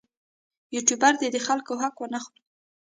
یوټوبر دې د خلکو حق ونه خوري.